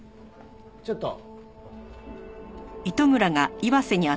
ちょっと。